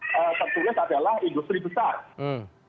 tertulis adalah industri besar